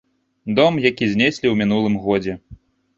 Дом, які знеслі ў мінулым годзе.